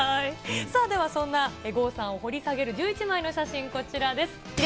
ではそんな郷さんを掘り下げる１１枚の写真、こちらです。